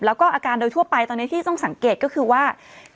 แล้วก็อาการโดยทั่วไปตอนนี้ที่ต้องสังเกตก็คือว่า